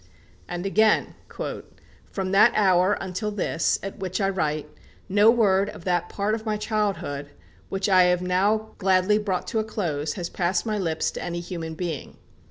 And again: "From that hour until this, at which I write, no word of that part of my childhood, which I have now gladly brought to a close, has passed my lips to any human being....